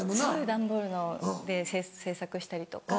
段ボールで制作したりとか。